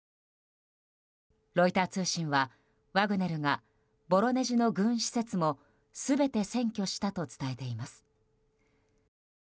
ロイター通信はワグネルがボロネジの軍施設も全て占拠したと伝えています。